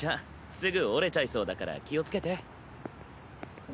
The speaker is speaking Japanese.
すぐ折れちゃいそうだから気をつけて。